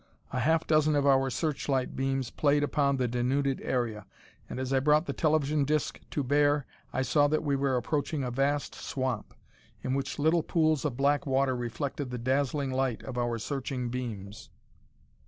A half dozen of our searchlight beams played upon the denuded area, and as I brought the television disc to bear I saw that we were approaching a vast swamp, in which little pools of black water reflected the dazzling light of our searching beams.